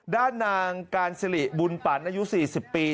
ด้านนางการสิริบุญปันอายุ๔๐ปี